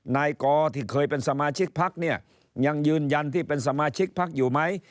นายกอที่เคยเป็นสมาชิกพักเนี่ยยังยืนยันที่เป็นสมาชิกพักอยู่ไหม